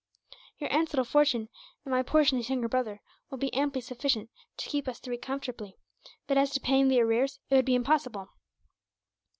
Your aunt's little fortune, and my portion as younger brother, will be amply sufficient to keep us three comfortably; but as to paying the arrears, it would be impossible."